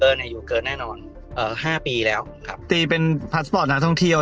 สุดท้ายก็ไม่มีทางเลือกที่ไม่มีทางเลือก